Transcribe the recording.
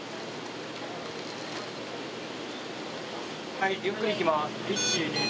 はいゆっくりいきます。